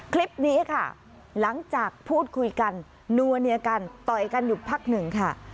คลิปนี้ค่ะหลังจากพูดคุยกันนัวเนียกันต่อยกันอยู่พักหนึ่งค่ะ